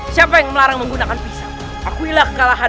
siapa yang mereka mahu melakukan